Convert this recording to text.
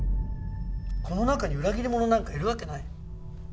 この中に裏切り者なんかいるわけない。